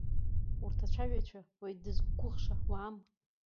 Урҭ ацәажәаҩцәа уаҩ дызқәгәыӷша уаам.